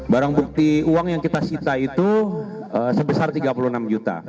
barang bukti uang yang kita sita itu sebesar tiga puluh enam juta